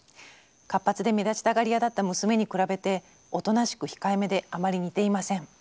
活発で目立ちたがり屋だった娘に比べておとなしく控えめであまり似ていません。